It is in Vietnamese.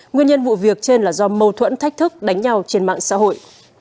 nguyên nhân vụ việc trên là do mâu thuẫn thách thức đánh nhau trên mạng xã hội